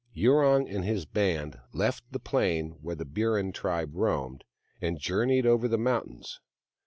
Yurong and his band left the plain where the Burrin tribe roamed, and journeyed over the mountains.